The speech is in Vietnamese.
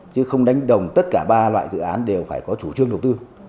chứ không đánh đồng tất cả ba loại dự án đều phải có chủ trương đầu tư